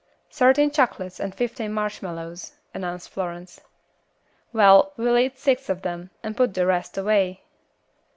"Thirteen chocolates and fifteen marshmallows," announced Florence. "Well, let's eat six of them, and put the rest away."